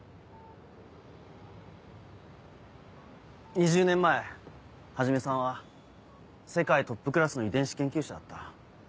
２０年前始さんは世界トップクラスの遺伝子研究者だった。